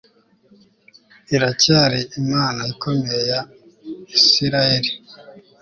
Iracyari Imana ikomeye ya Isirayeli